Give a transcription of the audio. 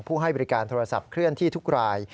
ให้บริการโทรศัพท์เคลื่อนที่ทุกราย